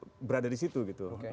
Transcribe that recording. itu berada di situ gitu